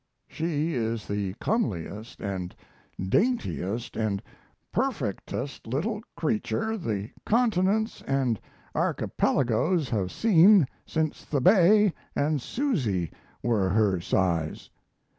She is the comeliest and daintiest and perfectest little creature the continents and archipelagos have seen since the Bay and Susy were her size.